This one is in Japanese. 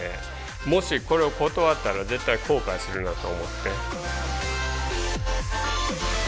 もしこれを断ったら絶対後悔するなと思って。